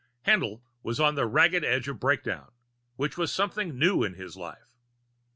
XI Haendl was on the ragged edge of breakdown, which was something new in his life.